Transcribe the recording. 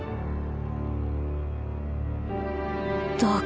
どうか